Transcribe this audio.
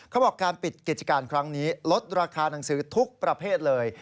เขาบอกการปิดกิจการครั้งนี้ลดราคาหนังสือทุกประเภทเลย